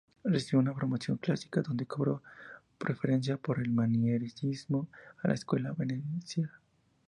Recibió una formación clásica, donde cobró preferencia por el manierismo y la escuela veneciana.